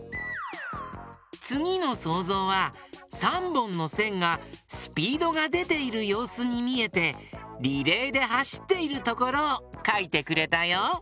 つぎのそうぞうは３ぼんのせんがスピードがでているようすにみえてリレーではしっているところをかいてくれたよ。